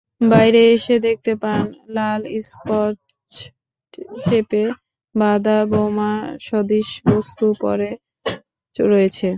বাইরে এসে দেখতে পান, লাল স্কচটেপে বাঁধা বোমাসদৃশ বস্তু পড়ে রয়েছে।